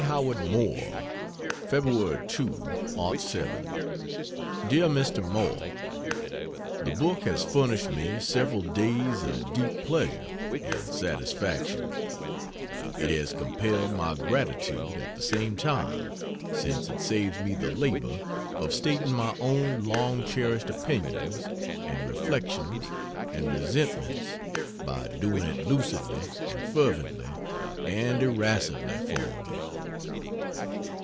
Howard Moore: Feb. 2, '07. DEAR MR. MOORE, The book has furnished me several days of deep pleasure and satisfaction; it has compelled my gratitude at the same time, since it saves me the labor of stating my own long cherished opinions and reflections and resentments by doing it lucidly and fervently and irascibly for me.